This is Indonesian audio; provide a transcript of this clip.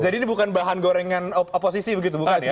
jadi ini bukan bahan gorengan oposisi begitu bukan ya